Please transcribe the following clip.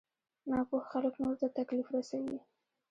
ناپوه خلک نورو ته تکليف رسوي.